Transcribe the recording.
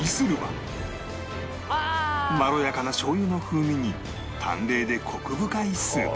まろやかなしょう油の風味に淡麗でコク深いスープ